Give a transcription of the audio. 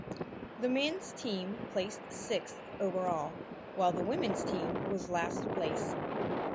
The men's team placed sixth overall, while the women's team was last place.